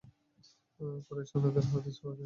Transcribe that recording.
কুরাইশ সৈন্যদেরও হদিস পাওয়া যায় না।